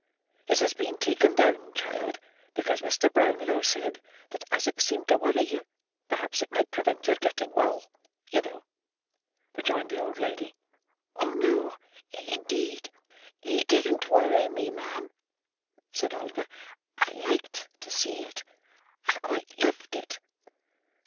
"It has been taken down, child, because Mr. Brownlow said, that as it seemed to worry you, perhaps it might prevent your getting well, you know," rejoined the old lady. "Oh, no, indeed. It didn't worry me, ma'am," said Oliver. "I liked to see it. I quite loved it."